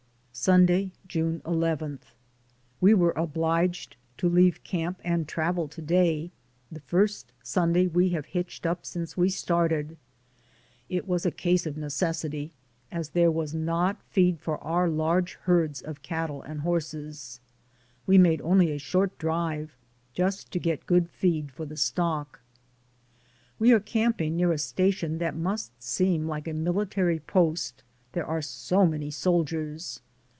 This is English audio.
Sunday, June ii. We were obliged to leave camp and travel to day, the first Sunday we have hitched up DAYS ON THE ROAD. 85 since we started. It was a case of necessity, as there was not feed for our large herds of cattle and horses. We made only a short drive, just to get good feed for the stock. We are camping near a station that must seem like a military post, there are so many soldiers.